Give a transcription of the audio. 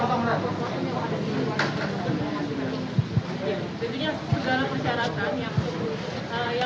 bagaimana kondisi dari keluarga